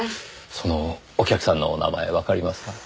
そのお客さんのお名前わかりますか？